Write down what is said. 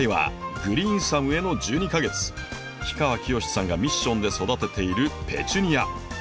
氷川きよしさんがミッションで育てているペチュニア。